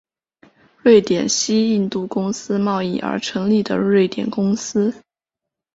瑞典西印度公司贸易而成立的瑞典公司。